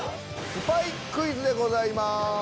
スパイクイズでございます。